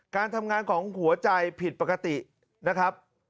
การทำงานของหัวใจผิดปกตินะครับ